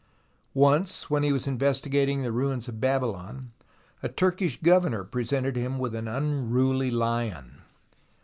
Once when he was investigating the ruins of Babylon, a Turkish governor presented him with an unruly Uon